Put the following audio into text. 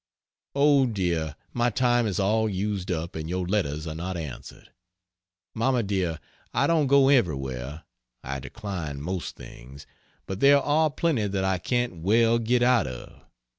Oh, dear, my time is all used up and your letters are not answered. Mama, dear, I don't go everywhere I decline most things. But there are plenty that I can't well get out of.